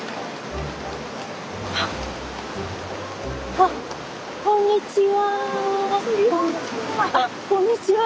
あっこんにちは。